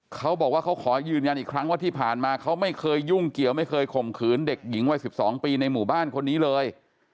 เขาบอกว่าเขาขอยืนยันอีกครั้งว่าที่ผ่านมาเขาไม่เคยยุ่งเกี่ยวไม่เคยข่มขืนเด็กหญิงวัย๑๒ปีในหมู่บ้านคนนี้เลย